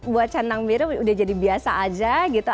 buat canang biru udah jadi biasa aja gitu